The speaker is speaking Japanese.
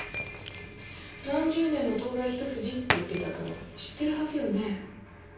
何十年も東大一筋って言ってたから知ってるはずよね。